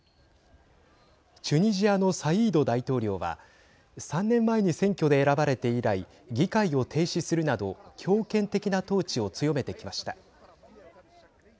チュニジアのサイード大統領は３年前に選挙で選ばれて以来議会を停止するなど強権的な統治を強めてきました。